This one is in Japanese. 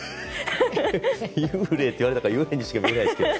幽霊といわれたから幽霊にしか見えないですけど。